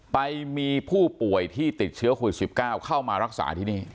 ไปมีผู้ป่วยที่ติดเชื้อโควิด๑๙เข้ามารักษาที่นี่